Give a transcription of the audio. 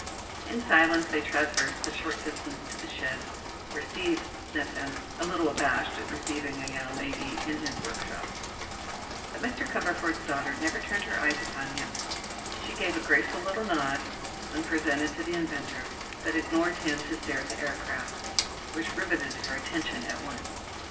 In silence they traversed the short distance to the shed, where Steve met them, a little abashed at receiving a young lady in his workshop. But Mr. Cumberford's daughter never turned her eyes upon him. She gave a graceful little nod when presented to the inventor, but ignored him to stare at the aircraft, which riveted her attention at once.